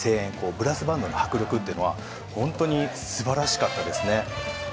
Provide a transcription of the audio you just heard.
ブラスバンドの迫力というのは本当に素晴らしかったですね。